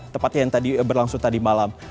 tepatnya yang tadi berlangsung tadi malam